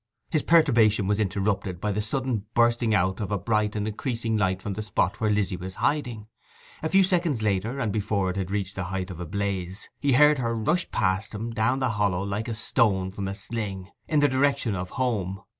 His perturbation was interrupted by the sudden bursting out of a bright and increasing light from the spot where Lizzy was in hiding. A few seconds later, and before it had reached the height of a blaze, he heard her rush past him down the hollow like a stone from a sling, in the direction of home.